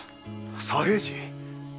左平次。